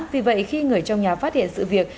vì vậy khi người trong nhà phát hiện sự việc